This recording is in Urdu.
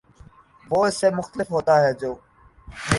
وہ اس سے مختلف ہوتا ہے جو